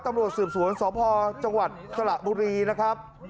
ตำรวจสืบสวนสพจังหวัดสระบุรีนะครับ